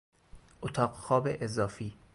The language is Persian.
اتاق خواب اضافی